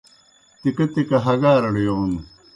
تِکہ تِکہ ہگارڑ یون